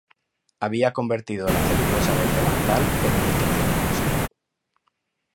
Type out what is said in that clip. Había convertido la celulosa del delantal en nitrocelulosa.